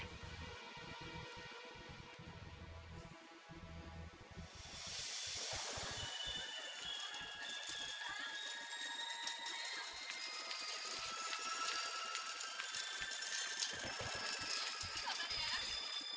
ya pasti ya